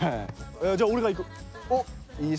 じゃあ俺がいく。